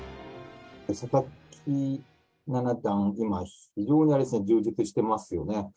佐々木七段、今、非常に充実してますよね。